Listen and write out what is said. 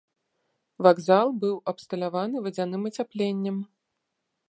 Вакзал быў абсталяваны вадзяным ацяпленнем.